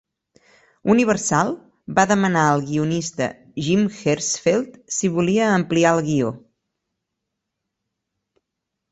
Universal va demanar al guionista Jim Herzfeld si volia ampliar el guió.